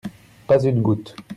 Pas une goutte.